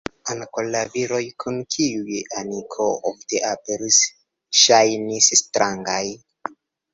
Ankaŭ la viroj kun kiuj Aniko ofte aperis ŝajnis strangaj.